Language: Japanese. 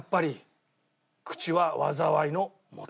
口は災いの元。